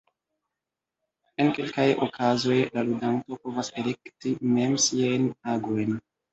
En kelkaj okazoj la ludanto povas elekti mem siajn agojn.